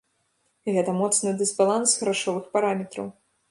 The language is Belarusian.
Гэта моцны дысбаланс грашовых параметраў.